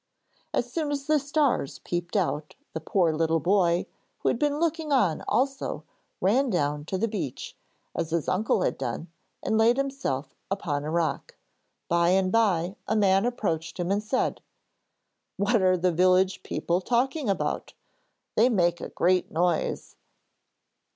As soon as the stars peeped out the poor little boy who had been looking on also ran down to the beach, as his uncle had done, and laid himself upon a rock. By and bye a man approached him and said: 'What are the village people talking about? They make a great noise!'